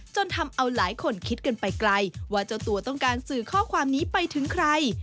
จนทำเอาหลายคนคิดกันไปไกลว่าเจ้าตัวต้องการสื่อข้อความนี้ไปถึงใคร